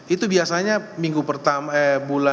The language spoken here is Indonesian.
itu biasanya minggu